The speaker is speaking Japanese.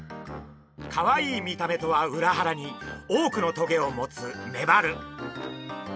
かわいい見た目とは裏腹に多くのトゲを持つメバル。